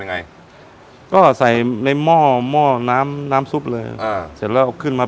ยังไงก็ใส่ในหม้อหม้อน้ำน้ำซุปเลยอ่าเสร็จแล้วเอาขึ้นมา